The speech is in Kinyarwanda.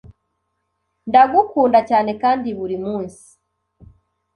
Ndagukunda cyane kandi burimunsi.